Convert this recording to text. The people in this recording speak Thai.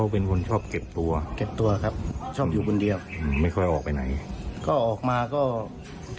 บ้านเอาลิฟท์